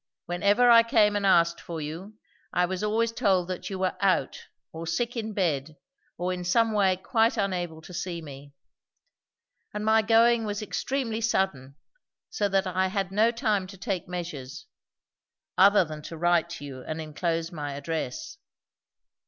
Whenever I came and asked for you, I was always told that you were out, or sick in bed, or in some way quite unable to see me. And my going was extremely sudden, so that I had no time to take measures; other than to write to you and enclose my address."